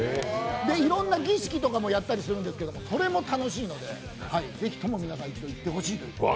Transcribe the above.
で、いろんな儀式とかもやったりするんですけど、これも楽しいのでぜひとも皆さんに行ってほしい。